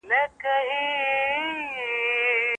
وزیر اکبر خان د خپلې هوښیارۍ له امله بریالی شو.